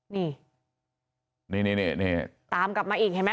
นี่นี่นี่นี่นี่ตามกลับมาอีกเห็นไหม